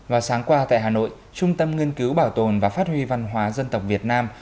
vào sáng qua tại hà nội trung tâm nghiên cứu bảo tồn và phát huy văn hóa dân tộc việt nam